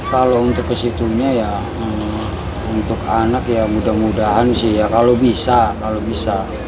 kalau untuk ke situnya ya untuk anak ya mudah mudahan sih ya kalau bisa kalau bisa